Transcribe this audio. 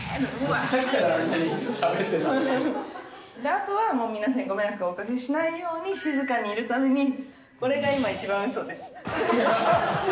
あとは皆さんにご迷惑をおかけしないように、静かにいるために、これが今一番うそです。